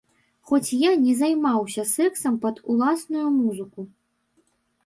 Хоць я не займаўся сексам пад уласную музыку.